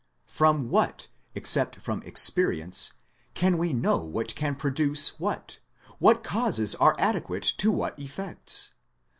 Eroni what, except from experience, can we know what can produce what what causes are adequate to what effects